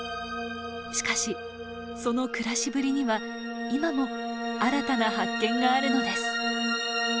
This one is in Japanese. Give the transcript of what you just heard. しかしその暮らしぶりには今も新たな発見があるのです。